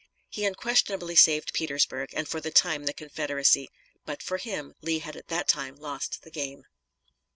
He unquestionably saved Petersburg, and for the time the Confederacy; but for him Lee had at that time lost the game.